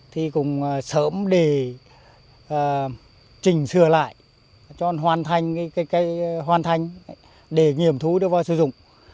thì cũng sớm để chỉnh sửa lại cho hoàn thành cái cái hoàn thành để nghiệm thu đưa vào sử dụng